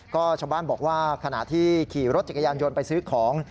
ก็ชาวบ้านบอกว่าขณะที่ขี่รถจักรยานยนต์ไปซื้อของ